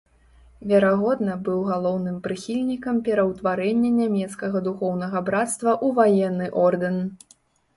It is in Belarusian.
Верагодна быў галоўным прыхільнікам пераўтварэння нямецкага духоўнага брацтва ў ваенны ордэн.